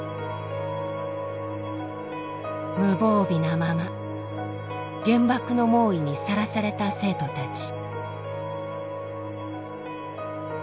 無防備なまま原爆の猛威にさらされた生徒たち。